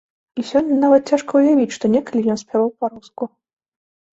І сёння нават цяжка ўявіць, што некалі ён спяваў па-руску.